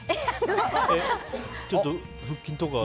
ちょっと腹筋とか。